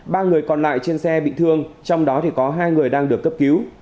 ba người còn lại trên xe bị thương trong đó có hai người đang được cấp cứu